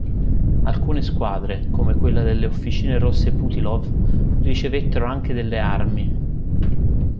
Alcune squadre, come quella delle Officine Rosse Putilov, ricevettero anche delle armi.